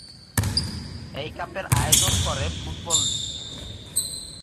এই কাপের আয়োজন করে ফুটবল লীগ।